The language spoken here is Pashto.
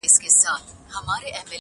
د تورو شپو پر تك تور تخت باندي مــــــا~